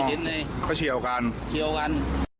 เห็นอ่าเขาเขาเสี่ยวกันเสี่ยวกัน